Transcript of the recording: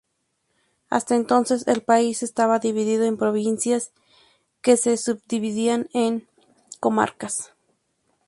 Hasta entonces el país estaba dividido en provincias que se subdividían en comarcas.